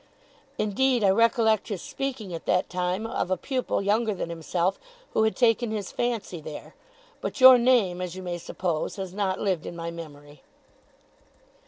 'Indeed, I recollect his speaking, at that time, of a pupil younger than himself who had taken his fancy there; but your name, as you may suppose, has not lived in my memory.